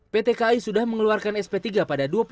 pt kai sudah mengeluarkan sp tiga pada dua puluh satu